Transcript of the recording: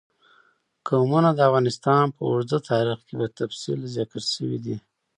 قومونه د افغانستان په اوږده تاریخ کې په تفصیل ذکر شوی دی.